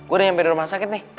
udah sampe di rumah sakit nih